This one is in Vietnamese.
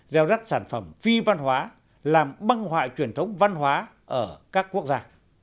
gieo rắc sản phẩm phi văn hóa làm băng hoại truyền thống văn hóa ở các quốc gia